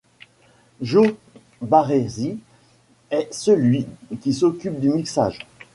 Joe Barresi est celui qui s'occupe du mixage.